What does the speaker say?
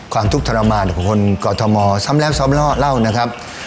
ทุกข์ทรมานของคนกอทมซ้ำแล้วซ้ำเล่านะครับ